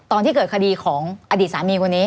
ตอนที่เกิดคดีของอดีตสามีคนนี้